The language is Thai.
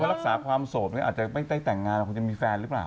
รักษาความโสดเนี่ยอาจจะไม่ได้แต่งงานคงจะมีแฟนหรือเปล่า